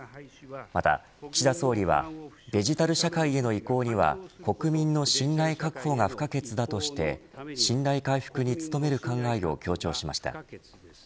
また、岸田総理はデジタル社会への移行には国民の信頼確保が不可欠だとして信頼回復に努める考えを強調しました。